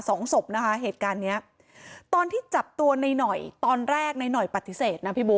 สองศพนะคะเหตุการณ์เนี้ยตอนที่จับตัวในหน่อยตอนแรกในหน่อยปฏิเสธนะพี่บุ๊